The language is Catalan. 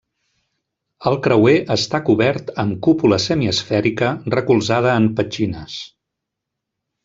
El creuer està cobert amb cúpula semiesfèrica recolzada en petxines.